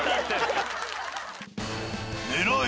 狙え！